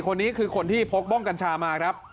คนนี้คือคนที่พกบ้องกัญชามาครับ